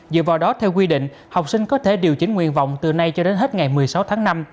dựa vào đó theo quy định học sinh có thể điều chỉnh nguyện vọng từ nay cho đến hết ngày một mươi sáu tháng năm